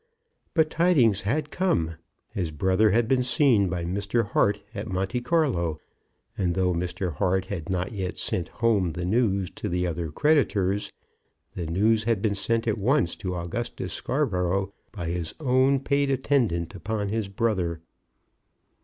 But tidings had come. His brother had been seen by Mr. Hart at Monte Carlo; and though Mr. Hart had not yet sent home the news to the other creditors, the news had been sent at once to Augustus Scarborough by his own paid attendant upon his brother.